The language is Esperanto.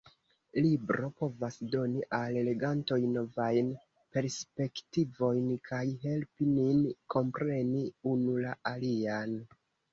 Libro povas doni al legantoj novajn perspektivojn kaj helpi nin kompreni unu la alian.